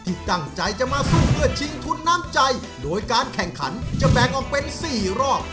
ที่ตั้งใจจะมาสู้เพื่อชิงทุนน้ำใจโดยการแข่งขันจะแบ่งออกเป็น๔รอบ